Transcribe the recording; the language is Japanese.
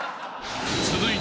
［続いて］